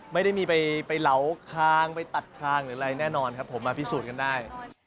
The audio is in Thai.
ไม่ได้มีไปเหลาคางไปตัดคางหรืออะไรแน่นอนครับผมมาพิสูจน์กันได้